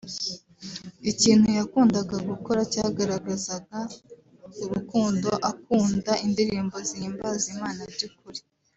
Ikintu yakundaga gukora cyagaragazaga urukundo akunda indirimbo zihimbaza Imana by’ukuri